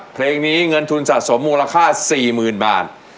เพลงนี้เงินทุนสะสมมูลค่า๔๐๐๐บาท